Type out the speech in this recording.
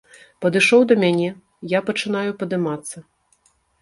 Падышоў да мяне, я пачынаю падымацца.